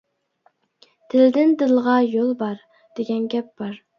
«دىلدىن دىلغا يول بار» دېگەن گەپ بار.